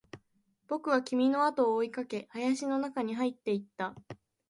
僕は君のあとを追いかけ、林の中に入っていった